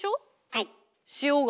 はい。